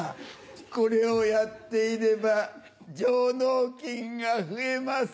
これをやっていれば上納金が増えます